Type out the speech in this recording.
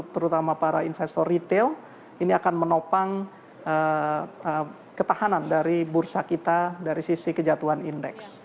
terutama para investor retail ini akan menopang ketahanan dari bursa kita dari sisi kejatuhan indeks